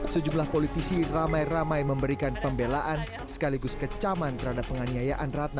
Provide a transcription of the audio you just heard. sejumlah politisi ramai ramai memberikan pembelaan sekaligus kecaman terhadap penganiayaan ratna